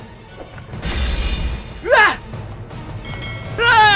kamu harus diberi pelajaran